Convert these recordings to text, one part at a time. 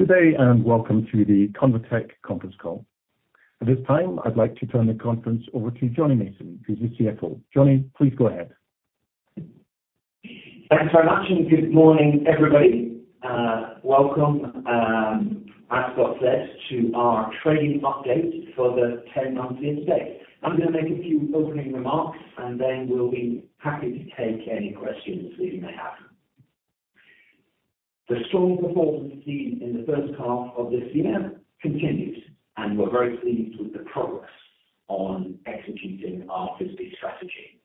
Good day, and welcome to the Convatec conference call. At this time, I'd like to turn the conference over to Jonny Mason, who's the CFO. Jonny, please go ahead. Thanks very much, and good morning, everybody. Welcome, as Scott said, to our trading update for the 10 months to date. I'm gonna make a few opening remarks, and then we'll be happy to take any questions that you may have. The strong performance seen in the first half of this year continues, and we're very pleased with the progress on executing our strategic strategy.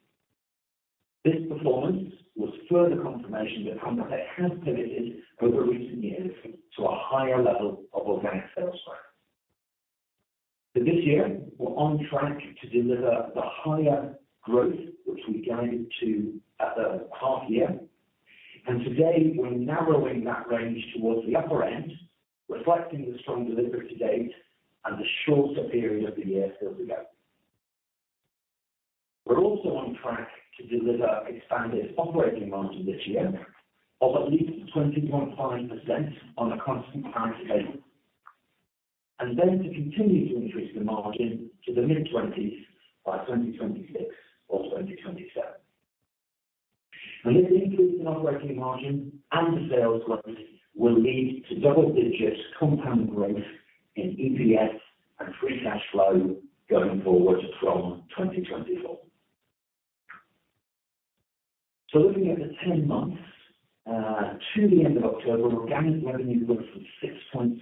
This performance was further confirmation that Convatec has pivoted over recent years to a higher level of organic sales growth. For this year, we're on track to deliver the higher growth, which we guided to at the half year. Today, we're narrowing that range towards the upper end, reflecting the strong delivery to date and the shorter period of the year still to go. We're also on track to deliver expanded operating margin this year of at least 20.5% on a constant currency basis, and then to continue to increase the margin to the mid-20s by 2026 or 2027. And this increase in operating margin and the sales growth will lead to double-digit compound growth in EPS and free cash flow going forward from 2024. So looking at the 10 months to the end of October, organic revenue grew 6.7%,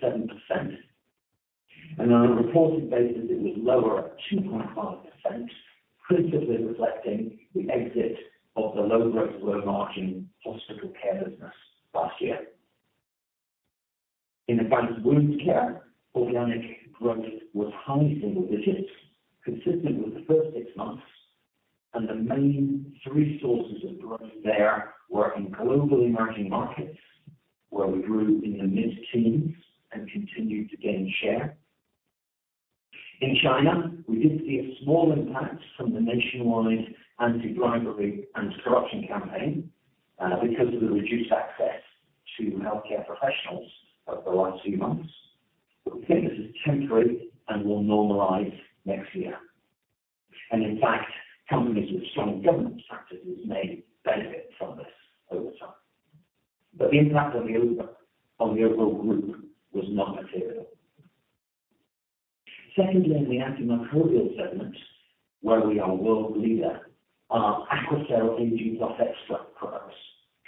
and on a reported basis, it was lower at 2.5%, principally reflecting the exit of the low growth, low margin foster care business last year. In Advanced Wound Care, organic growth was high single digits, consistent with the first six months, and the main three sources of growth there were in global emerging markets, where we grew in the mid-teens and continued to gain share. In China, we did see a small impact from the nationwide anti-bribery and corruption campaign, because of the reduced access to healthcare professionals over the last few months. But we think this is temporary and will normalize next year. And in fact, companies with strong governance practices may benefit from this over time. But the impact on the overall group was not material. Secondly, in the antimicrobial segment, where we are a world leader, our AQUACEL Ag+ Extra products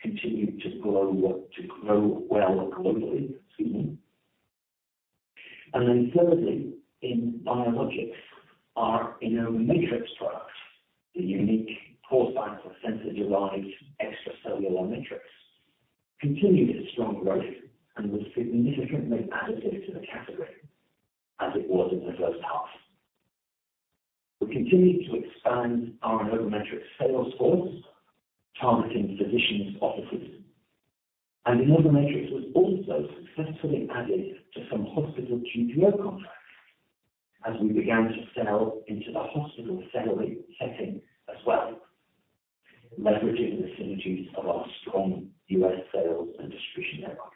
continued to grow, to grow well globally. Excuse me. Thirdly, in biologics, our InnovaMatrix product, the unique porcine placental-derived extracellular matrix, continued its strong growth and was significantly additive to the category as it was in the first half. We continued to expand our InnovaMatrix sales force, targeting physicians' offices, and InnovaMatrix was also successfully added to some hospital GPO contracts as we began to sell into the hospital selling setting as well, leveraging the synergies of our strong U.S. sales and distribution network.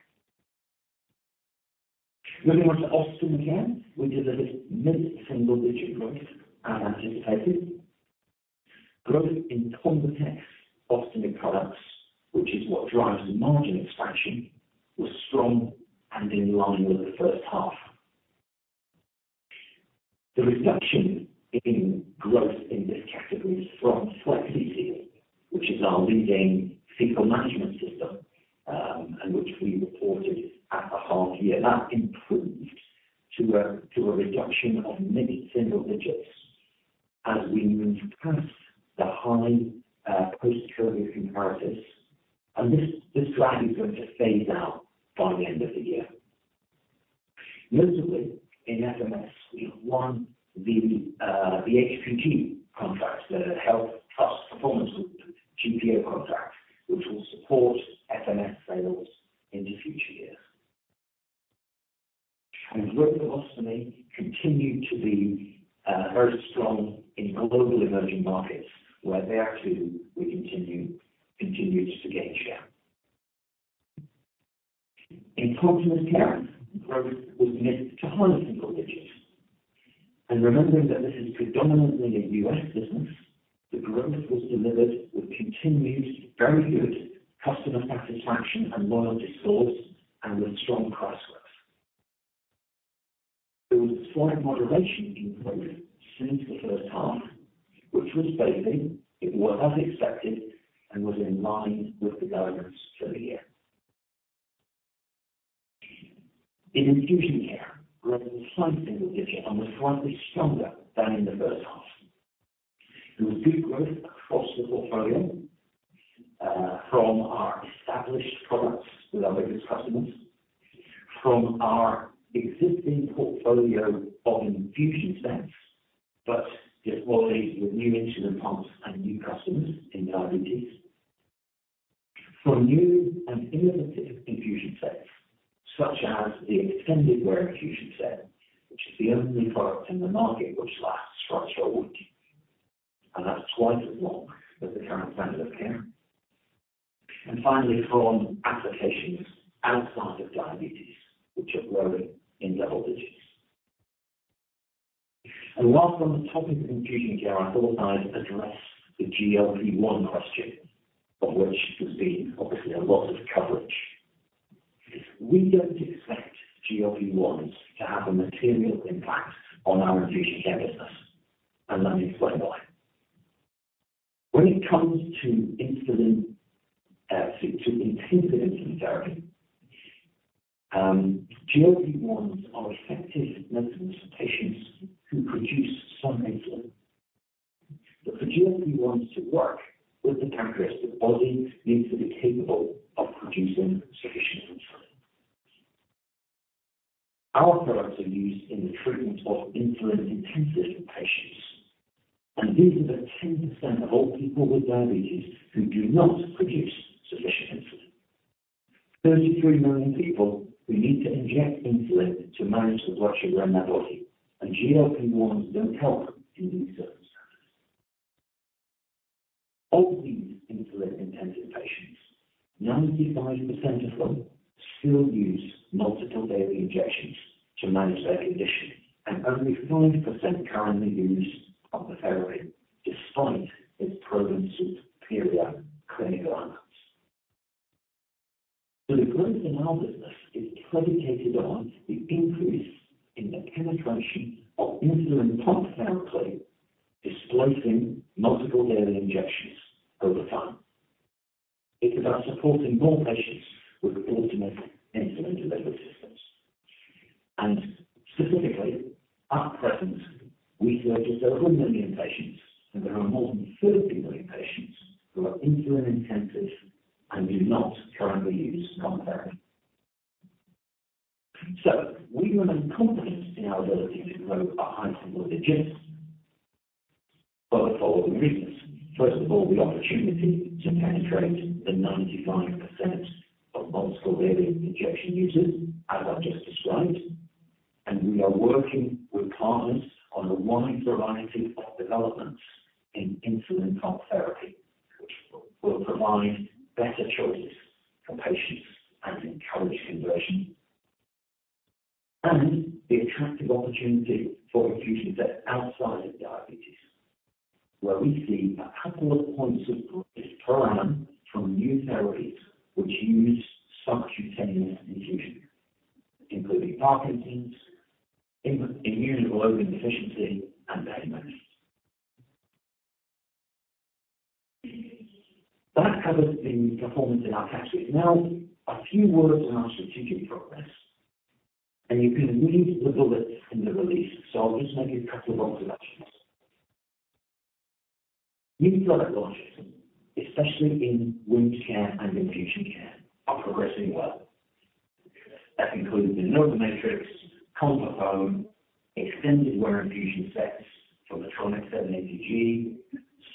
Moving on to ostomy care. We delivered mid-single-digit growth as anticipated. Growth in ConvaTec ostomy products, which is what drives margin expansion, was strong and in line with the first half. The reduction in growth in this category is from Flexi-Seal, which is our leading fecal management system, and which we reported at the half year. That improved to a reduction of mid-single digits as we moved past the high post-surgery comparisons. And this drag is going to phase out by the end of the year. Notably, in FMS, we won the HPG contract, the HealthTrust Performance Group GPO contract, which will support FMS sales into future years. And growth in ostomy continued to be very strong in global emerging markets, where, too, we continued to gain share. In continence care, growth was mid- to high-single digits. And remembering that this is predominantly a U.S. business, the growth was delivered with continued very good customer satisfaction and loyal distributors and with strong price growth. There was a slight moderation in growth since the first half, which was phasing. It was as expected and was in line with the guidance for the year. In infusion care, growth was high single digit and was slightly stronger than in the first half. There was good growth across the portfolio, from our established products with our biggest customers, from our existing portfolio of infusion sets, but particularly with new insulin pumps and new customers in theAIDs, from new and innovative infusion sets, such as the Extended Wear Infusion Set, which is the only product in the market which lasts for up to a week... and that's twice as long as the current standard of care. Finally, strong applications outside of diabetes, which are growing in double digits. While on the topic of infusion care, I thought I'd address the GLP-1 question, of which there's been obviously a lot of coverage. We don't expect GLP-1s to have a material impact on our infusion care business, and let me explain why. When it comes to insulin, to intensive insulin therapy, GLP-1s are effective medicines for patients who produce some insulin. But for GLP-1s to work with the pancreas, the body needs to be capable of producing sufficient insulin. Our products are used in the treatment of insulin-intensive patients, and these are the 10% of all people with diabetes who do not produce sufficient insulin. 33 million people who need to inject insulin to manage the blood sugar in their body, and GLP-1s don't help in these circumstances. Of these insulin-intensive patients, 95% of them still use multiple daily injections to manage their condition, and only 4% currently use pump therapy, despite its proven superior clinical outcomes. So the growth in our business is predicated on the increase in the penetration of insulin pump therapy, displacing multiple daily injections over time. It is about supporting more patients with the ultimate insulin delivery systems. Specifically, at present, we service over 1 million patients, and there are more than 30 million patients who are insulin intensive and do not currently use pump therapy. So we remain confident in our ability to grow at high single digits for the following reasons. First of all, the opportunity to penetrate the 95% of multiple daily injection users, as I've just described, and we are working with partners on a wide variety of developments in insulin pump therapy, which will provide better choices for patients and encourage conversion. And the attractive opportunity for infusion sets outside of diabetes, where we see a couple of points of progress per annum from new therapies which use subcutaneous infusion, including Parkinson's, immunoglobulin deficiency, and anemia. That covers the performance in our categories. Now, a few words on our strategic progress, and you've been reading the bullets in the release, so I'll just make a couple of observations. New product launches, especially in wound care and infusion care, are progressing well. That includes the InnovaMatrix, ConvaFoam, extended wear infusion sets for the Medtronic 780G,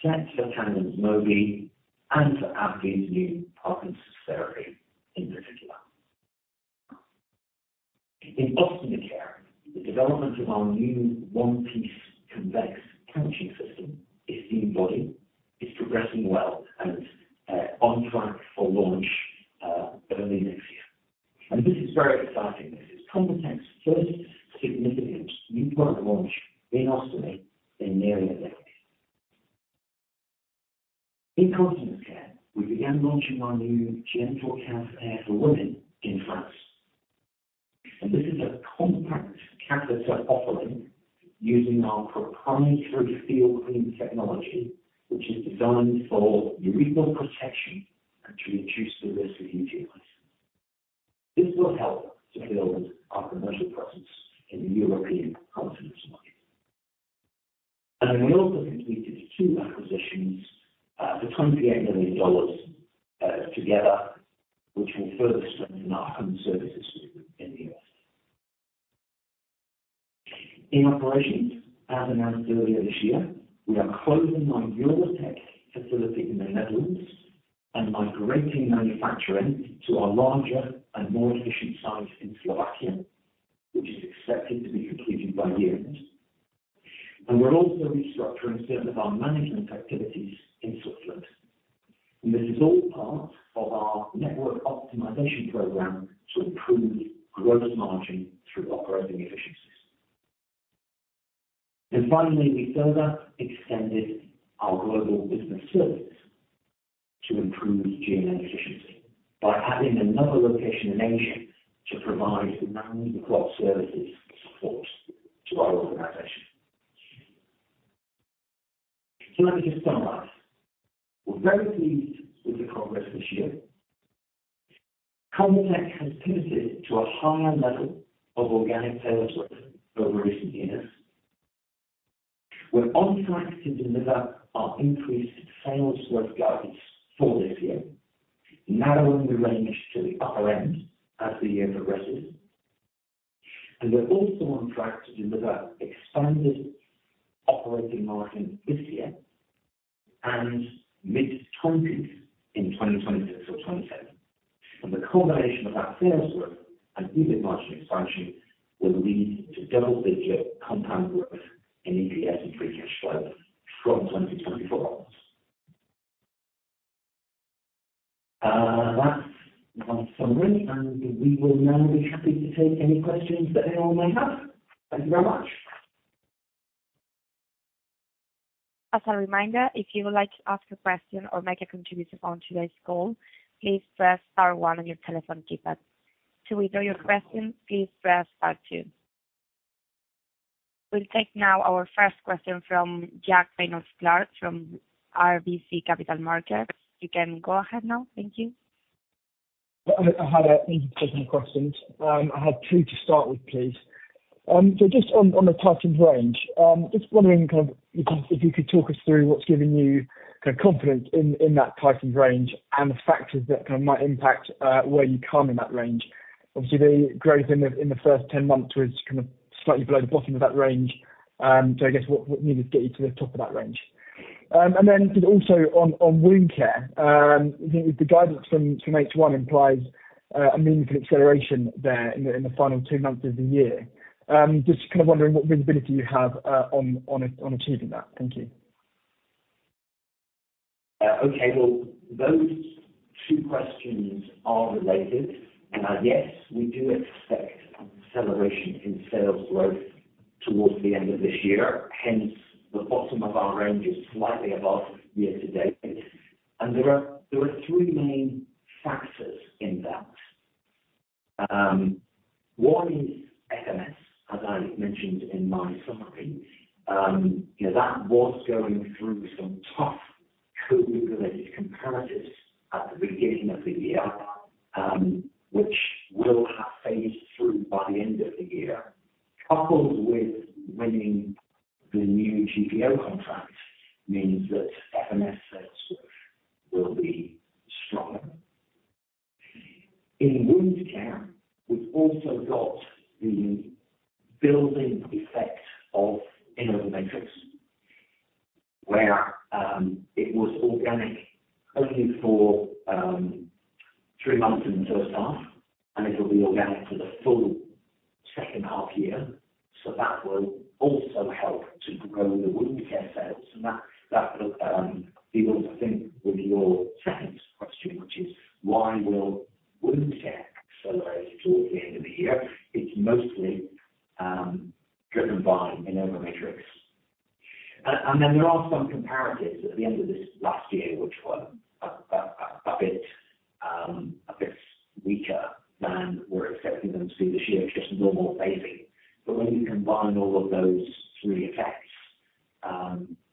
sets for Tandem's Mobi, and for AbbVie's new Parkinson's therapy in particular. In ostomy care, the development of our new one-piece convex pouching system, Esteem Body, is progressing well and on track for launch early next year. And this is very exciting. This is ConvaTec's first significant new product launch in ostomy in nearly a decade. In continence care, we began launching our new GentleCath for Women in France. This is a compact catheter offering, using our proprietary FeelClean technology, which is designed for urethral protection and to reduce the risk of UTIs. This will help to build our commercial presence in the European continence market. We also completed two acquisitions for $28 million together, which will further strengthen our home services in the US. In operations, as announced earlier this year, we are closing our EuroTec facility in the Netherlands and migrating manufacturing to our larger and more efficient site in Slovakia, which is expected to be completed by year-end. We're also restructuring some of our management activities in Switzerland. This is all part of our network optimization program to improve gross margin through operating efficiencies. Finally, we further extended our global business services to improve G&A efficiency by adding another location in Asia to provide round-the-clock services support to our organization. Let me just summarize. We're very pleased with the progress this year. Convatec has committed to a higher level of organic sales growth over recent years. We're on track to deliver our increased sales growth guidance for this year, narrowing the range to the upper end as the year progresses. We're also on track to deliver expanded operating margin this year and mid-teens in 2026 or 2027. The combination of that sales growth and EBIT margin expansion will lead to double-digit compound growth in EPS and free cash flow from 2024. That's my summary, and we will now be happy to take any questions that anyone may have. Thank you very much. As a reminder, if you would like to ask a question or make a contribution on today's call, please press star one on your telephone keypad. To withdraw your question, please press star two. We'll take now our first question from Jack Reynolds-Clark, from RBC Capital Markets. You can go ahead now. Thank you. Hi there. Thank you for taking my questions. I have two to start with, please. So just on the tightened range, just wondering, kind of, if you could talk us through what's giving you the confidence in that tightened range and the factors that kind of might impact where you come in that range? Obviously, the growth in the first 10 months was kind of slightly below the bottom of that range. So I guess, what we need to get you to the top of that range. And then just also on wound care, the guidance from H1 implies a meaningful acceleration there in the final two months of the year. Just kind of wondering what visibility you have on achieving that. Thank you. Okay. Well, those two questions are related. Yes, we do expect acceleration in sales growth towards the end of this year, hence, the bottom of our range is slightly above year-to-date. There are three main factors in that. One is FMS, as I mentioned in my summary. You know, that was going through some tough COVID-related comparatives at the beginning of the year, which will have phased through by the end of the year. Coupled with winning the new GPO contract, means that FMS sales growth will be stronger. In wound care, we've also got the building effect of InnovaMatrix, where it was organic only for three months in the first half, and it'll be organic for the full second half year. So that will also help to grow the wound care sales. That will be able to think with your second question, which is: Why will wound care accelerate towards the end of the year? It's mostly driven by InnovaMatrix. And then there are some comparatives at the end of this last year, which were a bit weaker than we're expecting them to be this year, just normal phasing. But when you combine all of those three effects,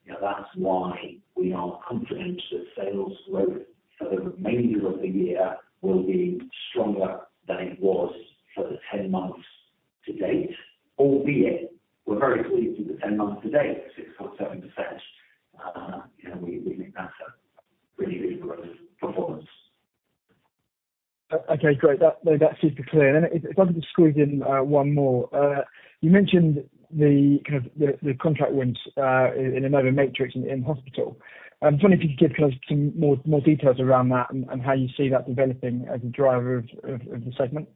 you know, that's why we are confident that sales growth for the remaining of the year will be stronger than it was for the 10 months to date. Albeit, we're very pleased with the 10 months to date, 6.7%. You know, we think that's a really good growth performance. Okay, great. That's super clear. And then if I could just squeeze in one more. You mentioned the contract wins in InnovaMatrix in hospital. I was wondering if you could give us some more details around that and how you see that developing as a driver of the segment?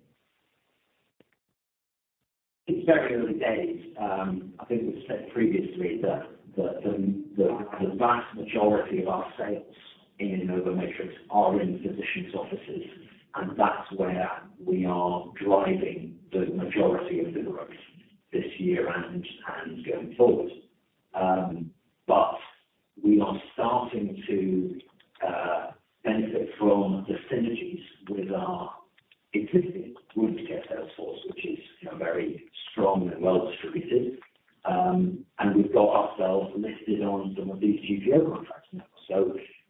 It's very early days. I think we've said previously that the vast majority of our sales in InnovaMatrix are in physicians' offices, and that's where we are driving the majority of the growth this year and going forward. But we are starting to benefit from the synergies with our existing wound care sales force, which is, you know, very strong and well distributed. And we've got ourselves listed on some of these GPO contracts now.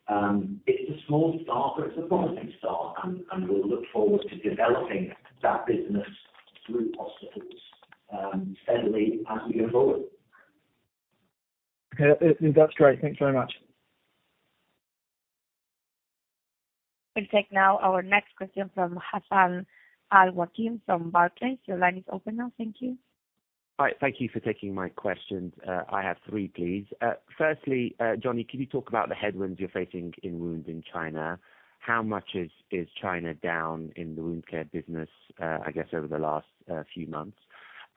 So, it's a small start, but it's a promising start, and we look forward to developing that business through hospitals steadily as we go forward. Okay. That's great. Thanks very much. We'll take now our next question from Hassan Al-Wakeel, from Barclays. Your line is open now. Thank you. Hi, thank you for taking my questions. I have three, please. Firstly, Jonny, can you talk about the headwinds you're facing in wounds in China? How much is China down in the wound care business, I guess over the last few months?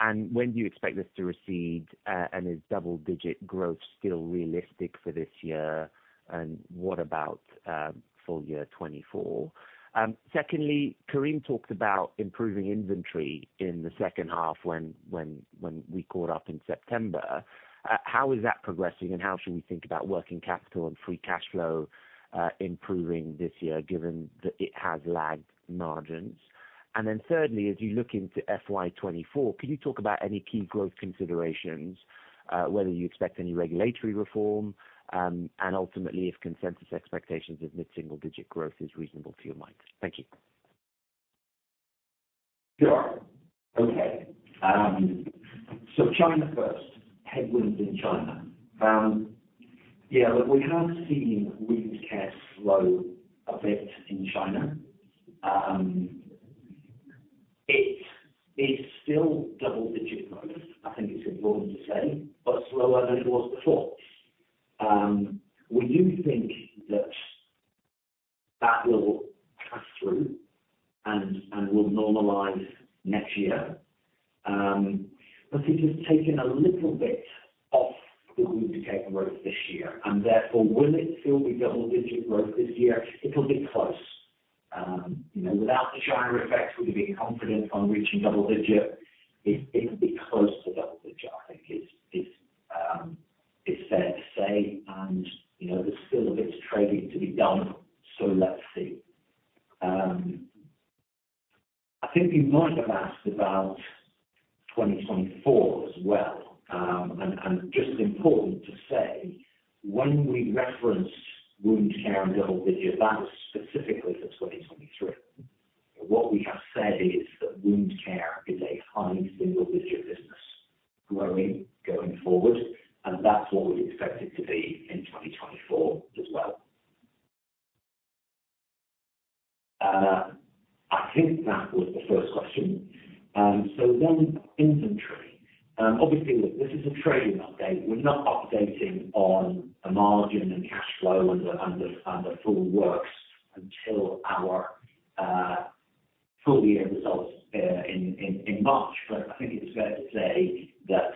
And when do you expect this to recede, and is double-digit growth still realistic for this year? And what about full year 2024? Secondly, Karim talked about improving inventory in the second half when we caught up in September. How is that progressing, and how should we think about working capital and free cash flow improving this year, given that it has lagged margins? And then thirdly, as you look into FY 2024, can you talk about any key growth considerations, whether you expect any regulatory reform, and ultimately, if consensus expectations of mid-single-digit growth is reasonable to your mind? Thank you. Sure. Okay. So China first, headwinds in China. Yeah, look, we have seen wound care slow a bit in China. It is still double-digit growth. I think it's important to say, but slower than it was before. We do think that that will pass through and will normalize next year. But it has taken a little bit off the wound care growth this year, and therefore, will it still be double-digit growth this year? It'll be close. You know, without the China effect, would you be confident on reaching double-digit? It'll be close to double-digit, I think it's fair to say and, you know, there's still a bit of trading to be done, so let's see. I think you might have asked about 2024 as well. Just important to say, when we reference wound care and double digit, that was specifically for 2023. What we have said is that wound care is a high single digit business growing, going forward, and that's what we expect it to be in 2024 as well. I think that was the first question. So one, inventory. Obviously, look, this is a trading update. We're not updating on the margin and cash flow and the full works until our full year results in March. But I think it's fair to say that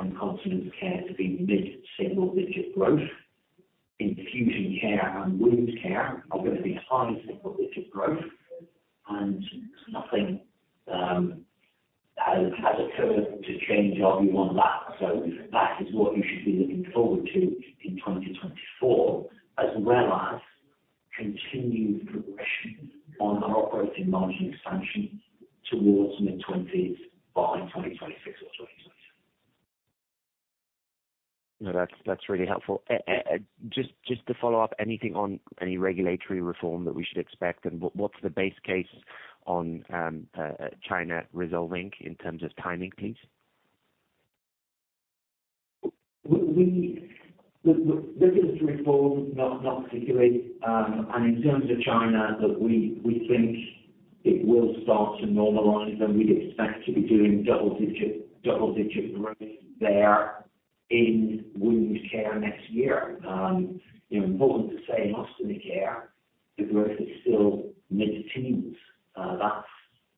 and Continence Care to be mid-single-digit growth. Infusion Care and Wound Care are going to be high single-digit growth, and nothing has occurred to change our view on that. So that is what you should be looking forward to in 2024, as well as continued progression on our operating margin expansion towards mid-20s by 2026 or 2027. No, that's, that's really helpful. Just, just to follow up, anything on any regulatory reform that we should expect, and what's the base case on China resolving in terms of timing, please? The business reform, not particularly. And in terms of China, look, we think it will start to normalize and we'd expect to be doing double-digit, double-digit growth there in wound care next year. You know, important to say, in Ostomy Care, the growth is still mid-teens. That's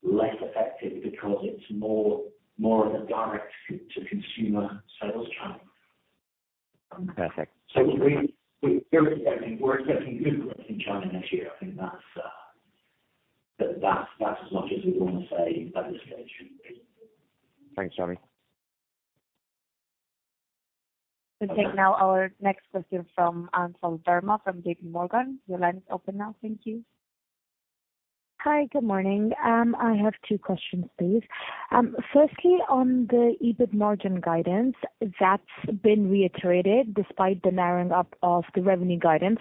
less effective because it's more of a direct-to-consumer sales channel. Perfect. So we're expecting good growth in China next year. I think that's, but that's as much as we want to say at this stage. Thanks, Jonny. We'll take now our next question from Anchal Verma from JP Morgan. Your line is open now. Thank you. Hi, good morning. I have two questions, please. Firstly, on the EBIT margin guidance, that's been reiterated despite the narrowing up of the revenue guidance.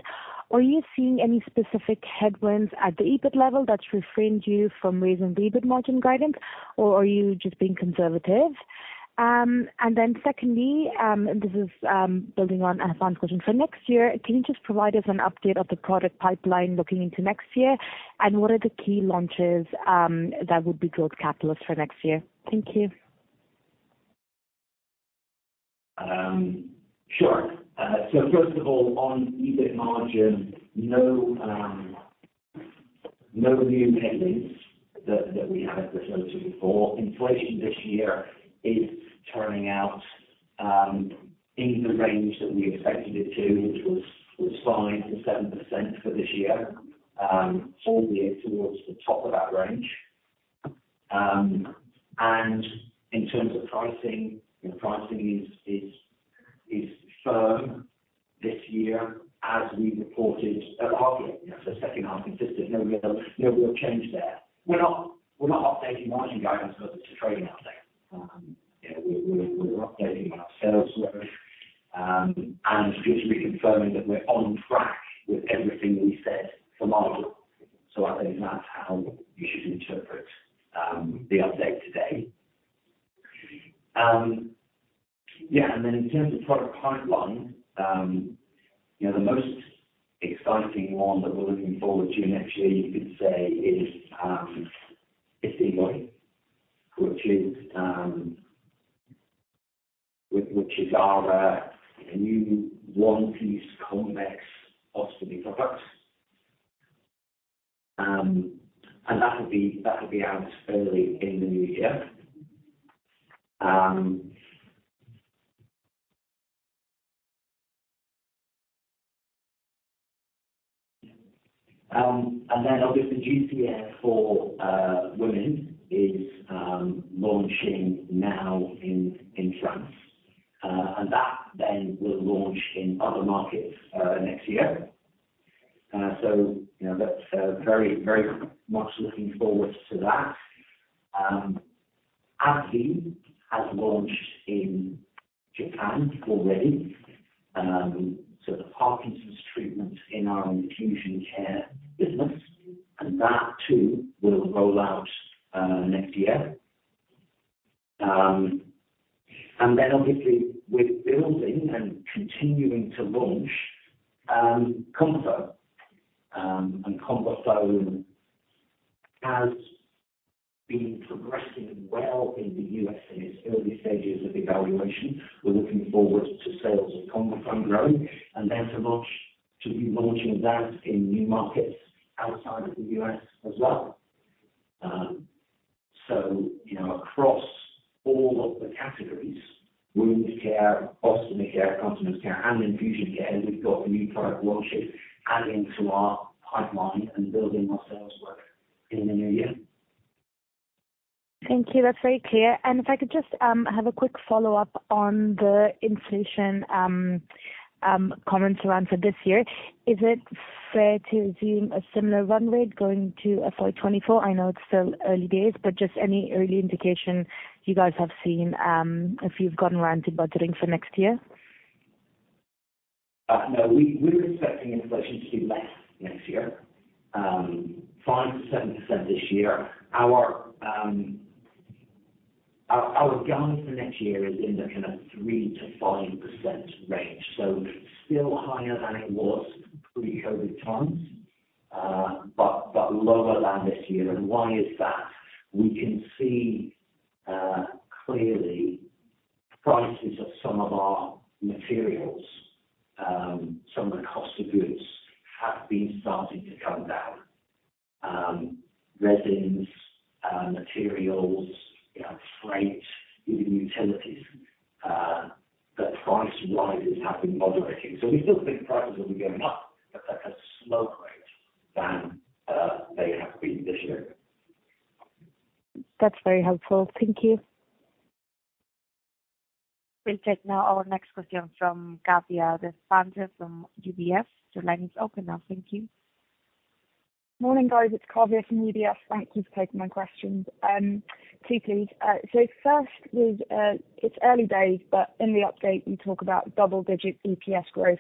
Are you seeing any specific headwinds at the EBIT level that's refrained you from raising the EBIT margin guidance, or are you just being conservative? And then secondly, this is building on Anchal's question. For next year, can you just provide us an update of the product pipeline looking into next year? And what are the key launches that would be growth catalyst for next year? Thank you. Sure. So first of all, on EBIT margin, no, no new headings that, that we haven't referred to before. Inflation this year is turning out in the range that we expected it to, which was 5%-7% for this year, full year towards the top of that range. And in terms of pricing, you know, pricing is firm this year as we reported at the half year. So second half, consistent, no real, no real change there. We're not updating margin guidance, but it's a trading update. Yeah, we're updating our sales growth, and just reconfirming that we're on track with everything we said for margin. So I think that's how you should interpret the update today. Yeah, and then in terms of product pipeline, you know, the most exciting one that we're looking forward to next year, you could say, is Esteem Body, which is our new one-piece convex ostomy product. And that'll be out early in the new year. And then obviously the GentleCath for women is launching now in France. And that then will launch in other markets next year. So, you know, that's very, very much looking forward to that. VYALEV has launched in Japan already, so the Parkinson's treatment in our infusion care business, and that too will roll out next year. And then obviously with building and continuing to launch, ConvaFoam has been progressing well in the US in its early stages of evaluation. We're looking forward to sales of ConvaFoam growing, and then to launch- to be launching that in new markets outside of the US as well. So, you know, across all of the categories, wound care, ostomy care, continence care, and infusion care, we've got new product launches adding to our pipeline and building our sales work in the new year. Thank you. That's very clear. And if I could just have a quick follow-up on the inflation comments around for this year. Is it fair to assume a similar run rate going to FY 2024? I know it's still early days, but just any early indication you guys have seen, if you've gotten around to budgeting for next year. No, we're expecting inflation to be less next year. Five to seven percent this year. Our guidance for next year is in the kind of three to five percent range. So still higher than it was pre-COVID times, but lower than this year. And why is that? We can see clearly prices of some of our materials, some of the cost of goods have been starting to come down. Resins, materials, you know, freight, even utilities, the price rises have been moderating. So we still think prices will be going up, but at a slower rate than they have been this year. That's very helpful. Thank you. We'll take now our next question from Kavya Deshpande from UBS. Your line is open now. Thank you. Morning, guys. It's Kavya from UBS. Thanks for taking my questions. Two please. So first is, it's early days, but in the update you talk about double-digit EPS growth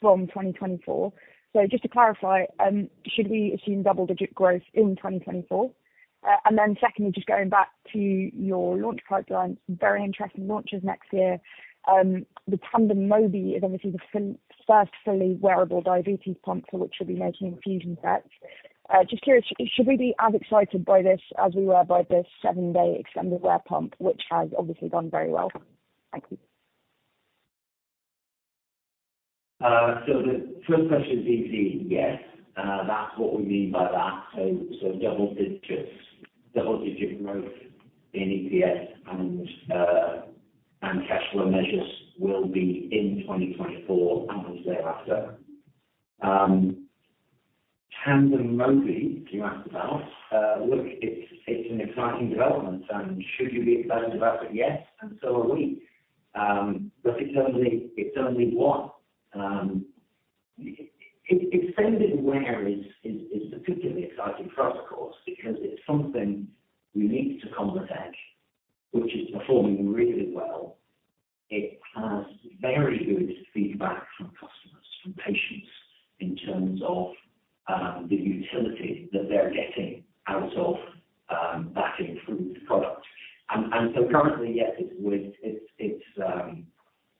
from 2024. So just to clarify, should we assume double-digit growth in 2024? And then secondly, just going back to your launch pipeline, very interesting launches next year. The Tandem Mobi is obviously the first fully wearable diabetes pump for which you'll be making infusion sets. Just curious, should we be as excited by this as we were by the seven-day extended wear pump, which has obviously gone very well? Thank you. So the first question is easy. Yes, that's what we mean by that. So double digits, double-digit growth in EPS and cash flow measures will be in 2024 and thereafter. Tandem Mobi, you asked about, look, it's an exciting development and should you be excited about it? Yes, and so are we. But it's only one. Extended wear is particularly exciting for us, of course, because it's something unique to Convatec, which is performing really well. It has very good feedback from customers, from patients, in terms of the utility that they're getting out of that improved product. So currently, yes,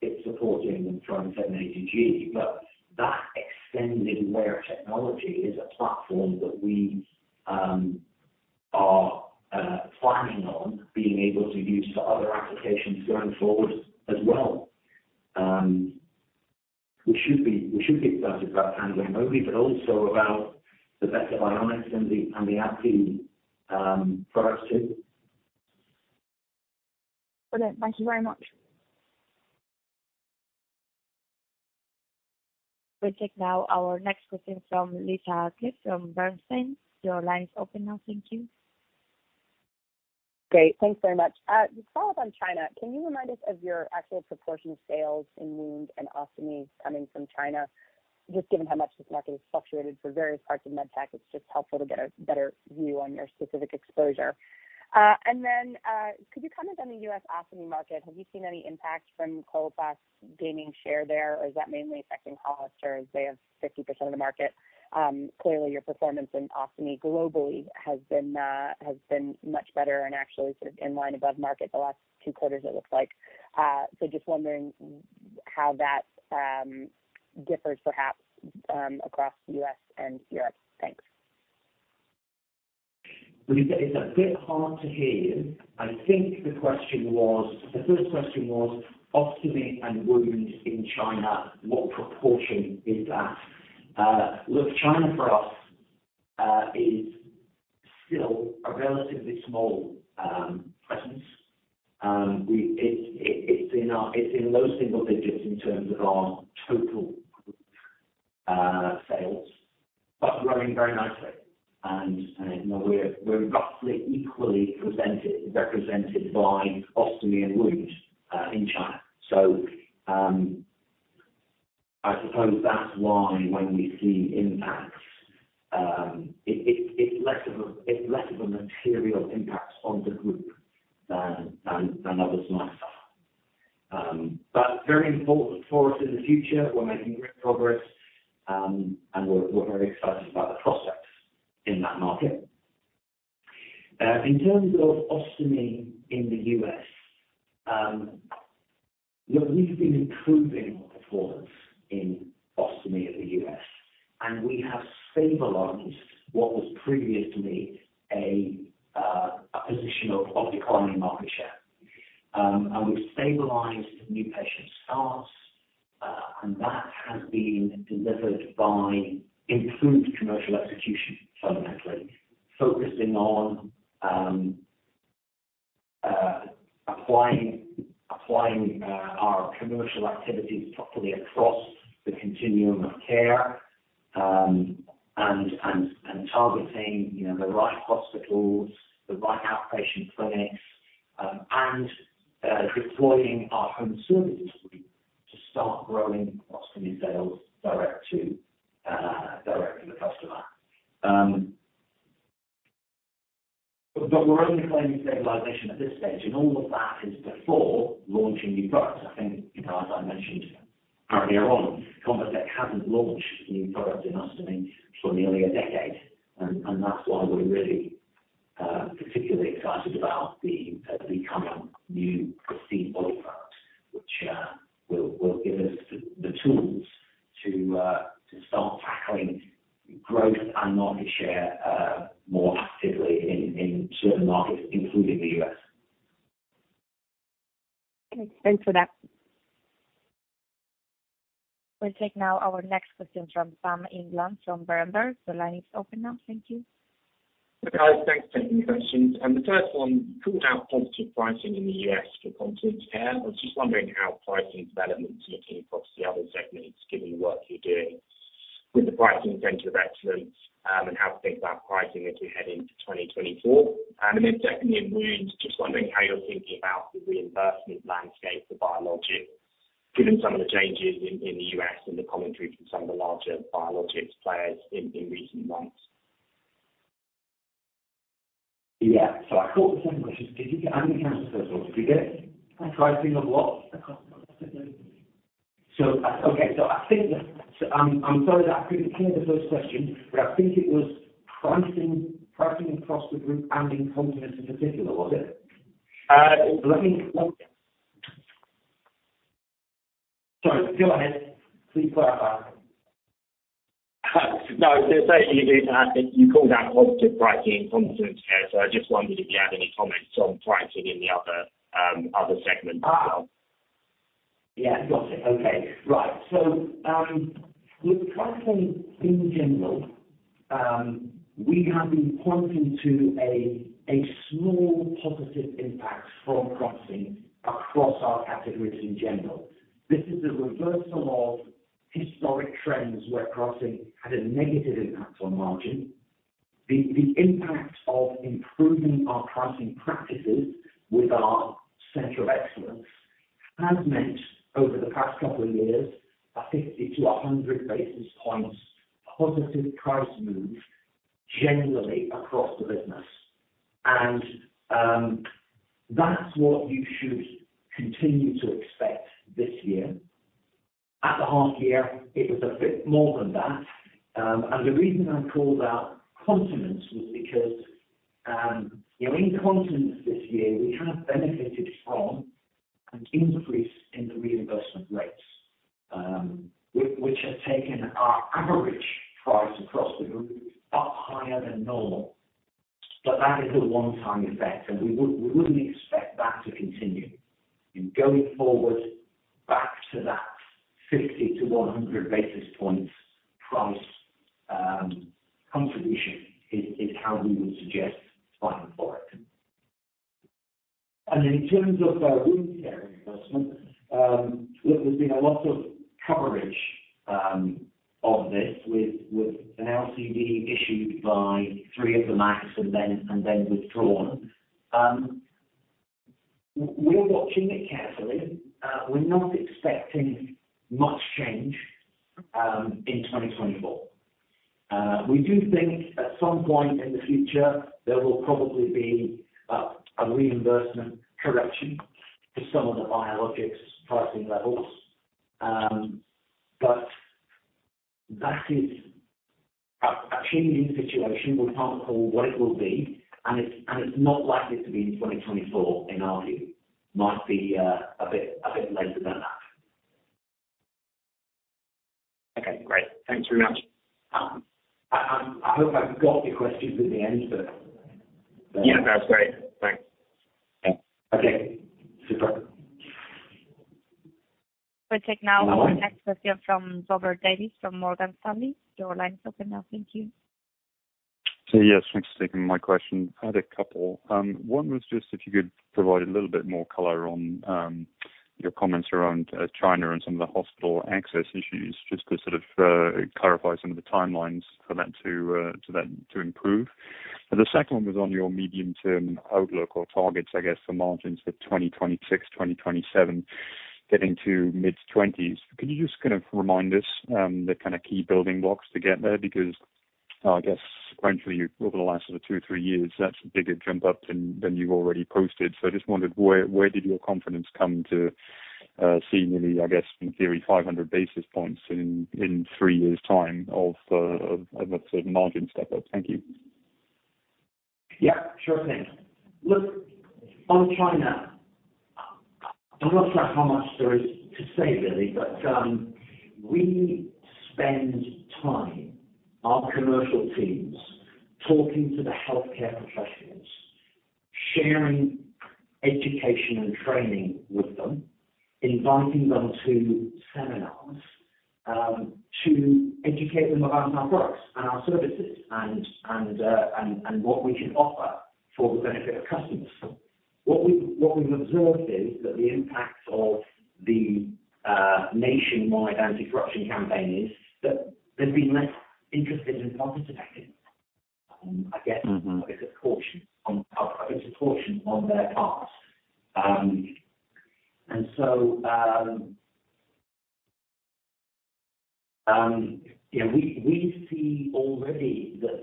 it's supporting the s780G, but that extended wear technology is a platform that we are planning on being able to use for other applications going forward as well. We should be excited about Tandem Mobi, but also about the Beta Bionics and the AbbVie products too. Okay. Thank you very much. We'll take now our next question from Lisa Clive from Bernstein. Your line is open now. Thank you. Great. Thanks very much. To follow up on China, can you remind us of your actual proportion of sales in wound and ostomy coming from China? Just given how much this market has fluctuated for various parts of medtech, it's just helpful to get a better view on your specific exposure. And then, could you comment on the U.S. ostomy market? Have you seen any impact from Coloplast gaining share there, or is that mainly affecting Hollister as they have 50% of the market? Clearly, your performance in ostomy globally has been much better and actually sort of in line above market the last two quarters, it looks like. So just wondering how that differs perhaps across the U.S. and Europe. Thanks. Lisa, it's a bit hard to hear you. I think the question was, the first question was, ostomy and wounds in China, what proportion is that? Look, China for us is still a relatively small presence. It's in low single digits in terms of our total sales, but growing very nicely. And, you know, we're roughly equally represented by ostomy and wounds in China. So, I suppose that's why when we see impact, it's less of a material impact on the group than others might have. But very important for us in the future. We're making great progress, and we're very excited about the prospects in that market. In terms of ostomy in the U.S., look, we've been improving our performance in ostomy in the U.S., and we have stabilized what was previously a position of declining market share. And we've stabilized new patient starts, and that has been delivered by improved commercial execution, fundamentally. Focusing on applying our commercial activities properly across the continuum of care, and targeting, you know, the right hospitals, with the pricing Center of Excellence, and how to think about pricing as we head into 2024. And then secondly, in wounds, just wondering how you're thinking about the reimbursement landscape for biologics, given some of the changes in the U.S. and the commentary from some of the larger biologics players in recent months. Yeah. So I caught the second question. Did you? I didn't catch the first one. Did you get pricing of what? The cost. So, okay. I think I'm sorry that I couldn't hear the first question, but I think it was pricing, pricing across the group and in continence in particular, was it? Sorry, go ahead. Please clarify. No, just saying you did, you called out positive pricing in continence care, so I just wondered if you had any comments on pricing in the other, other segments as well. Yeah, got it. Okay. Right. So, with pricing in general, we have been pointing to a small positive impact from pricing across our categories in general. This is a reversal of historic trends, where pricing had a negative impact on margin. The impact of improving our pricing practices with our Center of Excellence has meant, over the past couple of years, a 50-100 basis points positive price move generally across the business. And, that's what you should continue to expect this year. At the half year, it was a bit more than that. And the reason I called out continence was because, you know, in continence this year, we have benefited from an increase in the reimbursement rates, which has taken our average price across the group up higher than normal. But that is a one-time effect, and we wouldn't, we wouldn't expect that to continue. Going forward, back to that 50-100 basis points price contribution is, is how we would suggest planning for it. And in terms of, wound care reimbursement, look, there's been a lot of coverage, of this, with, with an LCD issued by three of the MACs and then, and then withdrawn. We're watching it carefully. We're not expecting much change, in 2024. We do think at some point in the future, there will probably be, a reimbursement correction to some of the biologics pricing levels. But that is a, a changing situation. We can't call what it will be, and it's, and it's not likely to be in 2024, in our view. Might be a bit later than that. Okay, great. Thanks very much. I hope I've got your questions at the end, but. Yeah, that's great. Thanks. Okay. Goodbye. We'll take now our next question from Robert Davies, from Morgan Stanley. Your line is open now. Thank you. So yes, thanks for taking my question. I had a couple. One was just if you could provide a little bit more color on your comments around China and some of the hospital access issues, just to sort of to that to improve. And the second one was on your medium-term outlook or targets, I guess, for margins for 2026, 2027, getting to mid-20s. Can you just kind of remind us the kind of key building blocks to get there? Because I guess sequentially, over the last sort of two, three years, that's a bigger jump up than you've already posted. I just wondered where your confidence come to seeing the, I guess, in theory, 500 basis points in three years' time of that sort of margin step up? Thank you. Yeah, sure thing. Look, on China, I'm not sure how much there is to say, really, but we spend time, our commercial teams, talking to the healthcare professionals, sharing education and training with them, inviting them to seminars to educate them about our products and our services and what we can offer for the benefit of customers. What we've observed is that the impact of the nationwide anti-corruption campaign is that they've been less interested and participating. I guess- Mm-hmm. a bit of caution on, a bit of caution on their part. And so, we see already that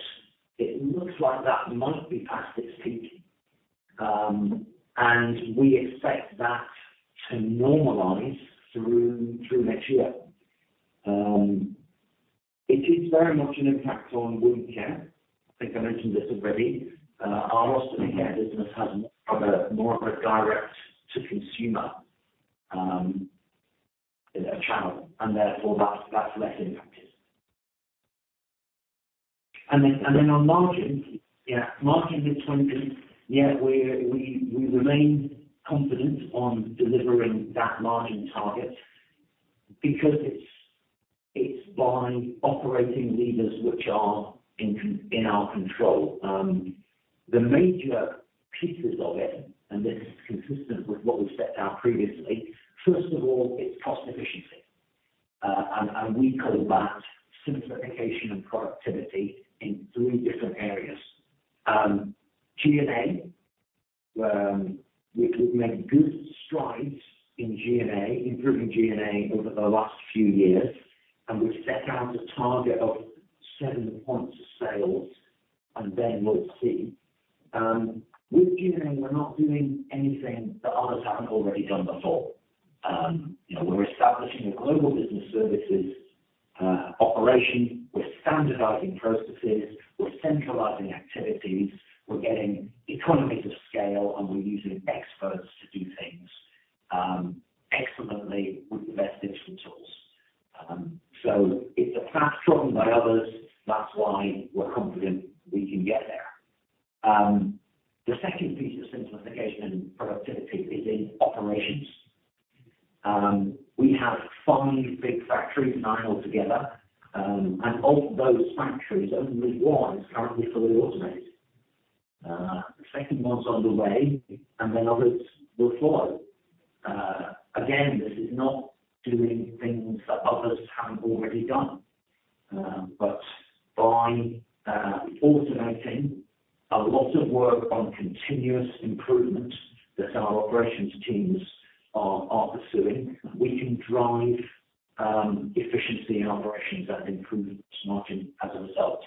it looks like that might be past its peak. And we expect that to normalize through next year. It is very much an impact on wound care. I think I mentioned this already. Our ostomy care business has more of a direct-to-consumer channel, and therefore, that's less impacted. And then on margins, yeah, margin mid-twenties, yeah, we remain confident on delivering that margin target because it's by operating levers which are in our control. The major pieces of it, and this is consistent with what we've set out previously, first of all, it's cost efficiency. And we call that simplification and productivity in three different areas. G&A, we've made good strides in G&A, improving G&A over the last few years, and we've set out a target of 7 points of sales, and then we'll see. With G&A, we're not doing anything that others haven't already done before. You know, we're establishing a global business services operation. We're standardizing processes, we're centralizing activities, we're getting economies of scale, and we're using experts to do things excellently with the best digital tools. So it's a path trodden by others, that's why we're confident we can get there. The second piece of simplification and productivity is in operations. We have 5 big factories, 9 altogether, and of those factories, only one is currently fully automated. The second one's on the way, and then others will follow. Again, this is not doing things that others haven't already done. But by automating a lot of work on continuous improvement that our operations teams are pursuing, we can drive efficiency in operations and improve margin as a result.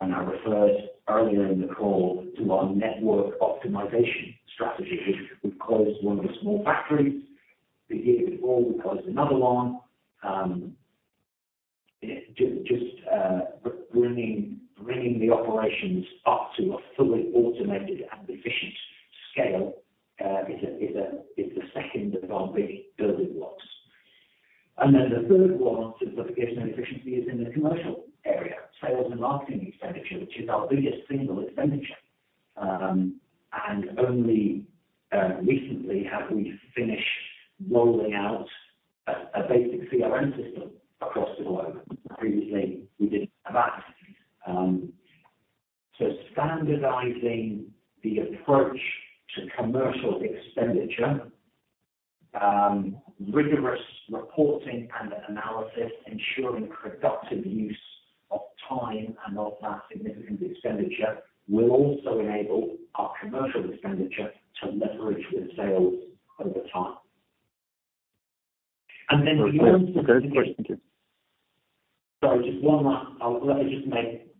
I referred earlier in the call to our network optimization strategy. We've closed one of the small factories. The year before, we closed another one. Just bringing the operations up to a fully automated and efficient scale is the second of our big building blocks. Then the third one, simplification and efficiency, is in the commercial area, sales and marketing expenditure, which is our biggest single expenditure. And only recently have we finished rolling out a basic CRM system across the globe. Previously, we didn't have that. So standardizing the approach to commercial expenditure, rigorous reporting and analysis, ensuring productive use of time and of that significant expenditure will also enable our commercial expenditure to leverage with sales over time. And then. Okay, thank you. Sorry, just one last. Let me just make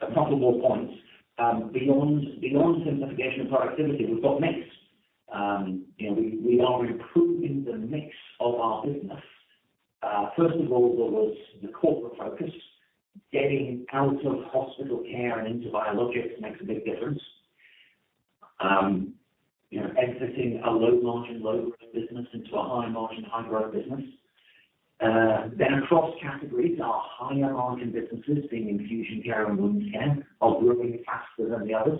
a couple more points. Beyond simplification and productivity, we've got mix. You know, we are improving the mix of our business. First of all, there was the corporate focus. Getting out of hospital care and into biologics makes a big difference. You know, exiting a low margin, low growth business into a high margin, high growth business. Then across categories, our higher margin businesses being infusion care and wound care, are growing faster than the others.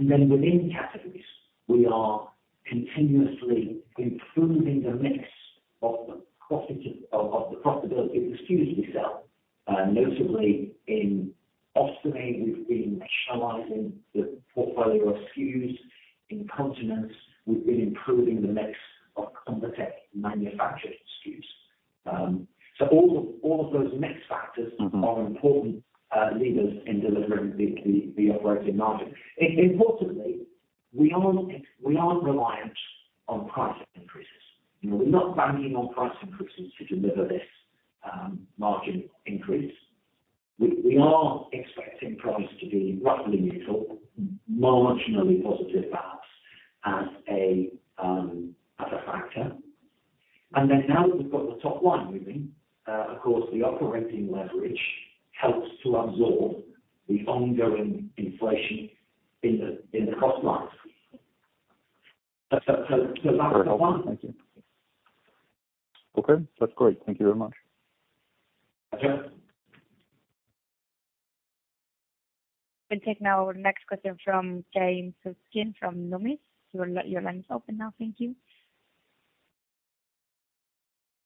Then within categories, we are continuously improving the mix of the profitability of the SKUs we sell. Notably, in ostomy, we've been nationalizing the portfolio of SKUs. In continence, we've been improving the mix of ConvaTec manufactured SKUs. So all of those mix factors—Mm-hmm—are important levers in delivering the operating margin. Importantly, we aren't reliant on price increases. You know, we're not banking on price increases to deliver this margin increase. We are expecting price to be roughly neutral, marginally positive, perhaps, as a factor. And then now that we've got the top line moving, of course, the operating leverage helps to absorb the ongoing inflation in the cost lines. So that's the plan. Thank you. Okay, that's great. Thank you very much. Okay. We take now our next question from James Sherkin from Nomura. Your line is open now. Thank you.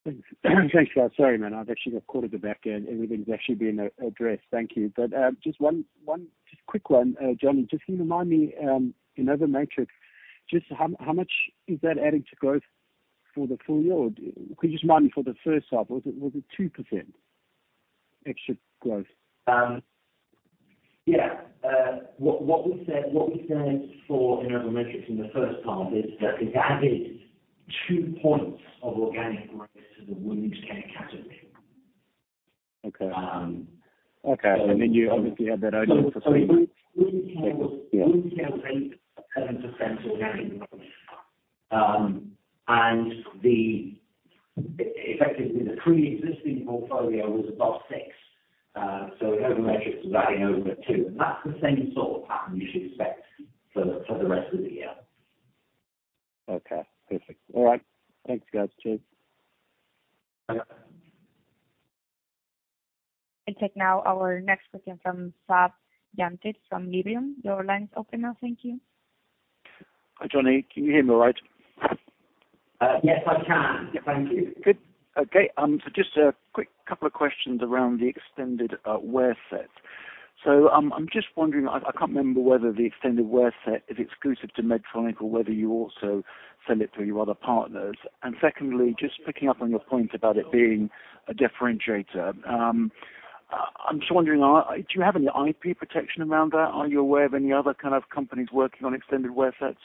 Thanks, guys. Sorry, man, I've actually got quarter to back in. Everything's actually been addressed. Thank you. But, just one quick one, Jonny. Just can you remind me, in InnovaMatrix, just how much is that adding to growth for the full year, or could you just remind me for the first half, was it 2% extra growth? Yeah. What we said for InnovaMatrix in the first half is that it added two points of organic growth to the wound care category. Okay. Um- Okay. And then you obviously had that idea for- So Wound Care was- Yeah. Wound care was 8% organic growth. And effectively, the preexisting portfolio was about 6. So InnovaMatrix was adding over 2, and that's the same sort of pattern you should expect for the rest of the year. Okay, perfect. All right. Thanks, guys. Cheers. Yeah. I take now our next question from Seb Jantet from Liberum. Your line is open now. Thank you. Hi, Jonny. Can you hear me all right? Yes, I can. Thank you. Good. Okay, so just a quick couple of questions around the Extended Wear Set. So, I'm just wondering, I can't remember whether the Extended Wear Set is exclusive to Medtronic or whether you also sell it to your other partners. And secondly, just picking up on your point about it being a differentiator, I'm just wondering, do you have any IP protection around that? Are you aware of any other kind of companies working on Extended Wear Sets?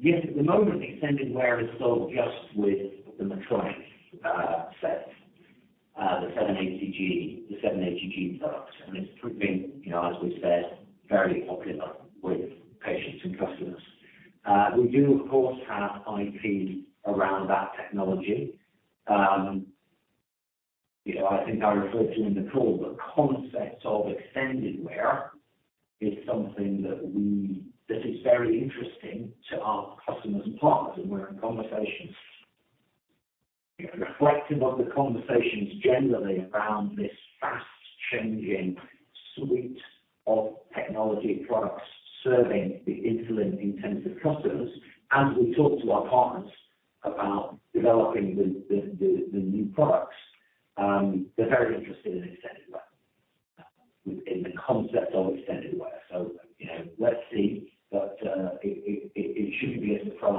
Yes, at the moment, extended wear is sold just with the Medtronic set, the 780G, the 780G products, and it's proving, you know, as we've said, fairly popular with patients and customers. We do, of course, have IP around that technology. You know, I think I referred to in the call, the concept of extended wear is something that we... That is very interesting to our customers and partners, and we're in conversations. Reflecting on the conversations generally around this fast-changing suite of technology products serving the insulin-intensive customers, and we talk to our partners about developing the new products. They're very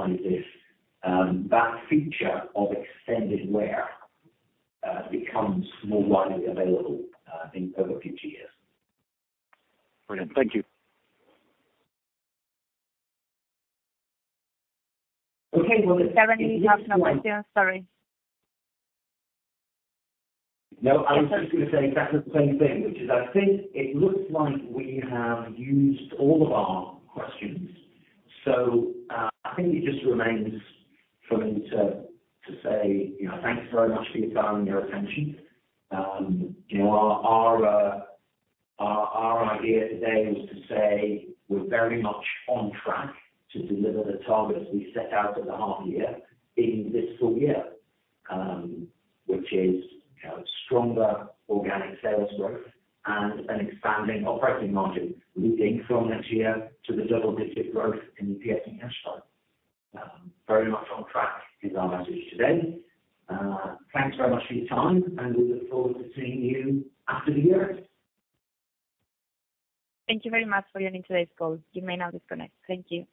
interested in extended wear, in the concept of extended wear. So, you know, let's see. But it shouldn't be a surprise if that feature of extended wear becomes more widely available in over a few years. Brilliant. Thank you. Okay, well- Is there any last one here? Sorry. No, I was just gonna say exactly the same thing, which is I think it looks like we have used all of our questions. So, I think it just remains for me to say, you know, thanks very much for your time and your attention. You know, our idea today was to say we're very much on track to deliver the targets we set out at the half year in this full year, which is, you know, stronger organic sales growth and an expanding operating margin, leading from next year to the double-digit growth in the EPS and cash flow. Very much on track is our message today. Thanks very much for your time, and we look forward to seeing you after the year. Thank you very much for joining today's call. You may now disconnect. Thank you.